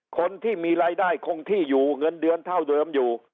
คนที่มีรายได้คงที่อยู่เงินเดือนเท่าเดิมอยู่